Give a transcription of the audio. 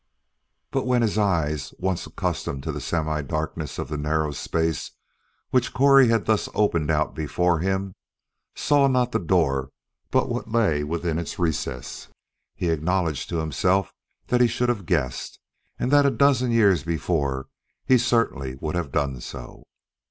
But when his eyes, once accustomed to the semi darkness of the narrow space which Correy had thus opened out before him, saw not the door but what lay within its recess, he acknowledged to himself that he should have guessed and that a dozen years before, he certainly would have done so.